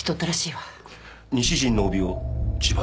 西陣の帯を自腹？